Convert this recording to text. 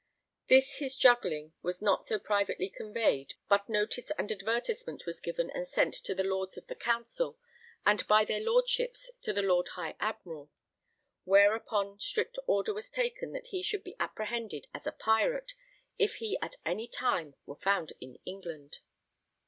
This his juggling was not so privately conveyed but notice and advertisement was given and sent to the Lords of the Council, and by their Lordships to the Lord High Admiral; whereupon strict order was taken that he should be apprehended as a pirate if he at any time were found in England.